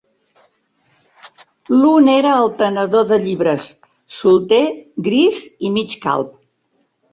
L'un era el tenedor de llibres, solter, gris i mig calb